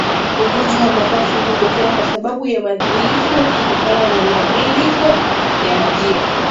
Ugonjwa wa mapafu hutokea kwa sababu ya mfadhaiko kutokana na mabadiliko ya majira